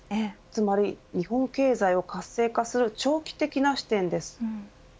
つまり日本経済を活性化する長期的な視点です。